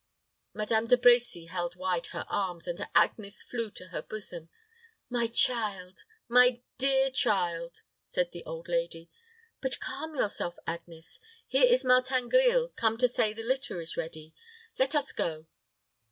Madame De Brecy held wide her arms, and Agnes flew to her bosom. "My child, my dear child," said the old lady. "But calm yourself, Agnes; here is Martin Grille, come to say the litter is ready. Let us go."